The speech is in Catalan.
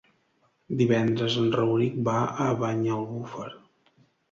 Divendres en Rauric va a Banyalbufar.